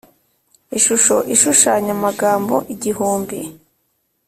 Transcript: ishusho ishushanya amagambo igihumbi